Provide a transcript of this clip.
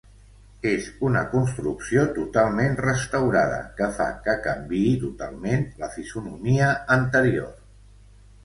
És una construcció totalment restaurada que fa que canviï totalment la fisonomia anterior.